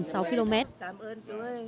tiếp theo chương trình quảng bình